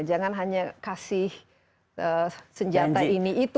jangan hanya kasih senjata ini itu